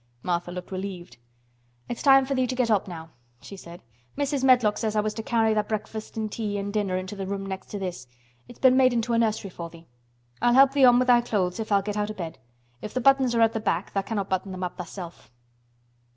Martha looked relieved. "It's time for thee to get up now," she said. "Mrs. Medlock said I was to carry tha' breakfast an' tea an' dinner into th' room next to this. It's been made into a nursery for thee. I'll help thee on with thy clothes if tha'll get out o' bed. If th' buttons are at th' back tha' cannot button them up tha'self."